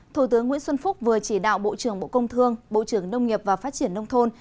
thủ tướng nguyễn xuân phúc vừa chỉ đạo bộ trưởng bộ công thương bộ trưởng nông nghiệp và phát triển nông thôn